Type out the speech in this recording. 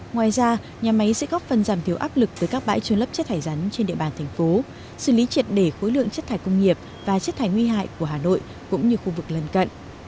ngoài ra nhà máy sẽ góp phần giảm thiếu áp lực tới các bãi trôn lấp chất thải rắn trên địa bàn thành phố xử lý triệt để khối lượng chất thải công nghiệp và chất thải nguy hại của hà nội cũng như khu vực lân cận